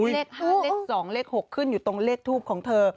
เลข๕เลข๒เลข๖ขึ้นอยู่ตรงเลขทูปของเธอ